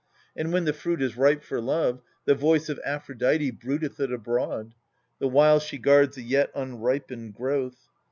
And when the fruit is ripe for love, the voice Of Aphrodite bruiteth it abroad. The while she guards the yet unripened growth.